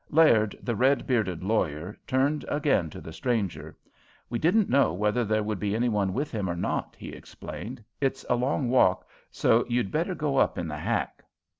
Laird, the red bearded lawyer, turned again to the stranger: "We didn't know whether there would be any one with him or not," he explained. "It's a long walk, so you'd better go up in the hack."